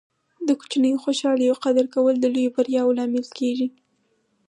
د کوچنیو خوشحالۍو قدر کول د لویو بریاوو لامل کیږي.